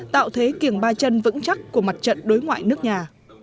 tạo thế kiềng ba chân vững chắc của mặt trận đối ngoại nước nhà